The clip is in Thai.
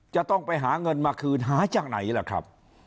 จะต้องไปหาเงินมาคืนหาจากไหนล่ะครับ